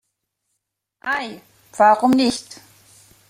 Ei, warum nicht?